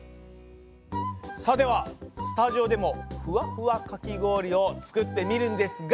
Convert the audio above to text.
さあではスタジオでもふわふわかき氷を作ってみるんですが！